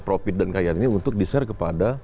profit dan kekayaan ini untuk dishare kepada